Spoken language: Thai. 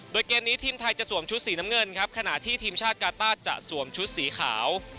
โดยเกมนี้ทีมไทยจะสวมชุดสีน้ำเงินครับขณะที่ทีมชาติกาต้าจะสวมชุดสีขาว